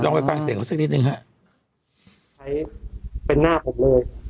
เราเลยฟังเสียงเขาสักทีนึงนะครับเป็นหน้าผมเลย